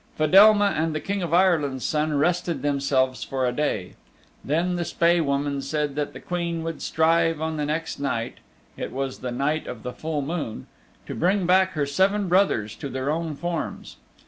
Fedelma and the King of Ireland's Son rested themselves for a day. Then the Spae Woman said that the Queen would strive on the next night it was the night of the full moon to bring back her seven brothers to their own forms.